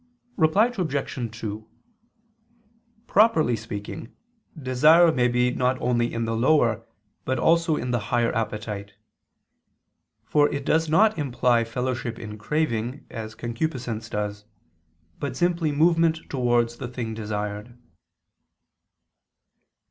Reply Obj. 2: Properly speaking, desire may be not only in the lower, but also in the higher appetite. For it does not imply fellowship in craving, as concupiscence does; but simply movement towards the thing desired.